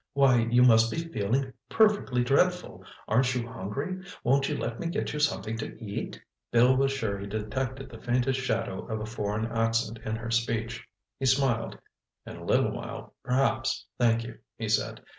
"Why, you must be feeling perfectly dreadful! Aren't you hungry? Won't you let me get you something to eat?" Bill was sure he detected the faintest shadow of a foreign accent in her speech. He smiled. "In a little while, perhaps, thank you," he said.